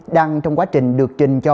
đang trong quá trình được trình cho